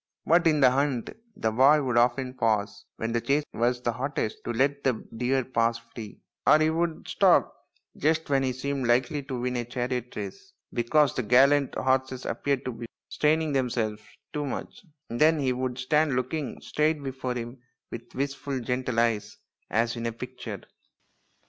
But in the hunt the boy would often pause when the chase was hottest to let the deer pass free ; or he would stop just when he seemed likely to win a chariot race because the gallant horses appeared to be straining them selves too much ; and then he would stand looking straight before him with wistful gentle eyes as in a picture.